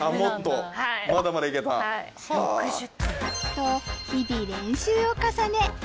と日々練習を重ね